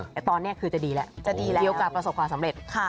แต่ตอนนี้คือจะดีแล้วจะดีแล้วมีโอกาสประสบความสำเร็จ